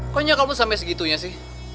koknya kamu sampai segitunya sih